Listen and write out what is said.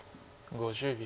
５０秒。